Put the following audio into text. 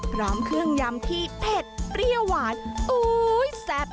พร้อมเครื่องยำที่เผ็ดเปรี้ยวหวานอุ๊ยแซ่บ